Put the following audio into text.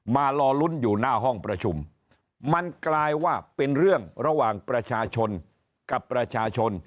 มารอลุ้นอยู่หน้าห้องประชุมมันกลายว่าเป็นเรื่องระหว่างประชาชนกับประชาชน